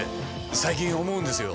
最近思うんですよ。